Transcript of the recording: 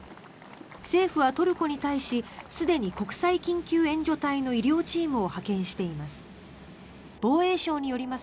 政府はトルコに対し、すでに国際緊急援助隊の医療チームを派遣しています。